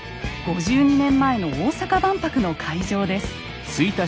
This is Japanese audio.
５２年前の大阪万博の会場です。